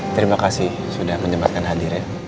terima kasih sudah menyempatkan hadir ya